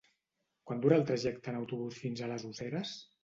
Quant dura el trajecte en autobús fins a les Useres?